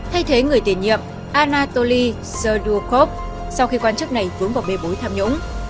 thay thế người tiền nhiệm anatoly serdukov sau khi quan chức này vướng vào bê bối tham nhũng